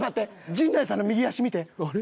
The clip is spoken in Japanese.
陣内さんの右足見て。